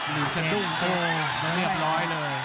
หรือสะดุ้งเกิงเรียบร้อยเลย